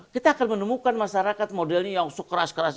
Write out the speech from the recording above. kita akan menemukan masyarakat modelnya yang sekeras kerasnya kayak ini